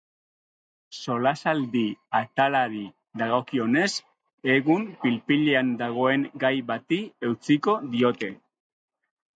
Solasaldi atalari dagokionez, egun pil-pilean dagoen gai bati eutsiko diote.